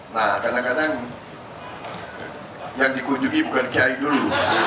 nah kadang kadang yang dikunjungi bukan kiai dulu